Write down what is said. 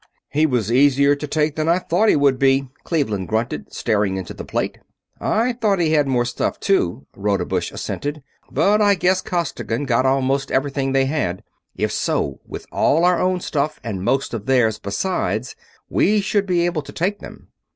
"He was easier to take than I thought he would be," Cleveland grunted, staring into the plate. "I thought he had more stuff, too," Rodebush assented, "but I guess Costigan got almost everything they had. If so, with all our own stuff and most of theirs besides, we should be able to take them.